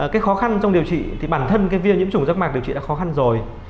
cái khó khăn trong điều trị thì bản thân cái viêm nhiễm chủng rác mạc điều trị đã khó khăn rồi